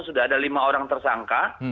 sudah ada lima orang tersangka